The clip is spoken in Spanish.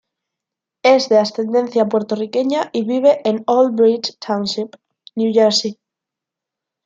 Es de ascendencia puertorriqueña y vive en Old Bridge Township, New Jersey.